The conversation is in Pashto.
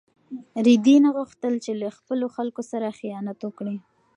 رېدي نه غوښتل چې له خپلو خلکو سره خیانت وکړي.